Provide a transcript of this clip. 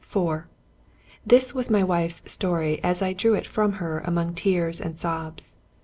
IV This was my wife's story, as I drew it from her among tears and sobs.